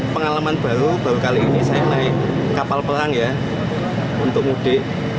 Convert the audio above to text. pengalaman baru baru kali ini saya naik kapal perang ya untuk mudik